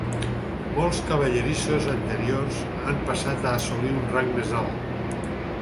Molts cavallerissos anteriors han passat a assolir un rang més alt.